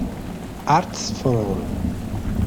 Arts for All.